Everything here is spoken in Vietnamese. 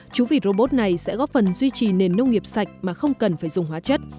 chú vịt robot này sẽ góp phần duy trì nền nông nghiệp sạch mà không cần phải dùng hóa chất